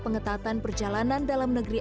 pengetatan perjalanan dalam negeri